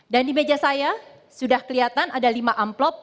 dan di meja saya sudah kelihatan ada lima amplop